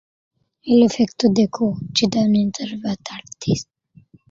La longitud total abarca el Condado de Bryan.